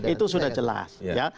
itu sudah jelas